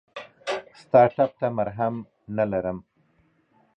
ستا ټپ ته مرهم نه لرم !